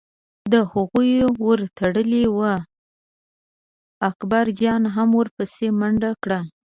خو د هغوی ور تړلی و، اکبرجان هم ور پسې منډه کړه.